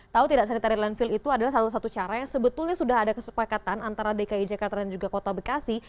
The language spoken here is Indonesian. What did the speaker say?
tahu tidak sanitary landfill itu adalah satu satu cara yang sebetulnya sudah ada kesepakatan antara dki jakarta dan juga kota bekasi